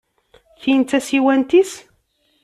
Tin d tasiwant-is?